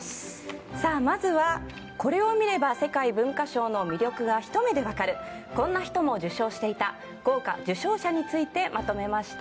まずはこれを見れば世界文化賞の魅力がひと目で分かるこんな人も受賞していた豪華受賞者についてまとめました。